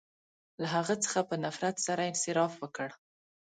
• له هغه څخه په نفرت سره انصراف وکړ.